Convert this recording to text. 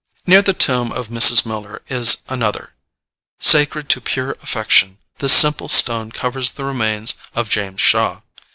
Near the tomb of Mrs. Miller is another: "Sacred to pure affection. This simple stone covers the remains of James Shaw.